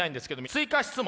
追加質問。